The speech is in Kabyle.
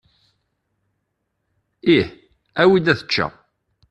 Ih. Awi-d ad eččeɣ.